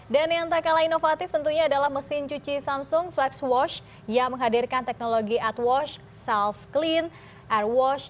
dan yang tak kalah inovatif tentunya adalah mesin cuci samsung flex wash yang menghadirkan teknologi art wash self clean air wash